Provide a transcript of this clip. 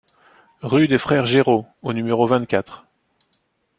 Rue des Frères Géraud au numéro vingt-quatre